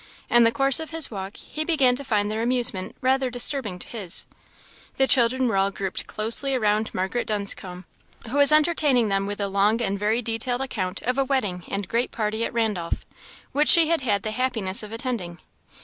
In the course of his walk, he began to find their amusement rather disturbing to his. The children were all grouped closely around Margaret Dunscombe, who was entertaining them with a long and very detailed account of a wedding and great party at Randolph, which she had had the happiness of attending.